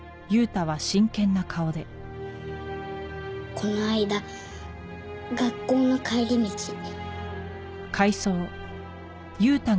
この間学校の帰り道に。